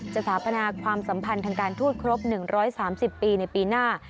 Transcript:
สถาปนาความสัมพันธ์ทางการทูตครบ๑๓๐ปีในปีหน้า